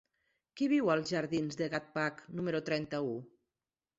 Qui viu als jardins del Gatcpac número trenta-u?